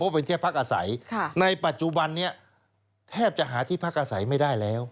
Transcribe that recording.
เป็นที่พักอาศัยในปัจจุบันนี้แทบจะหาที่พักอาศัยไม่ได้แล้ว